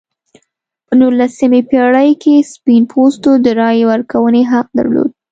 په نولسمې پېړۍ کې سپین پوستو د رایې ورکونې حق درلود.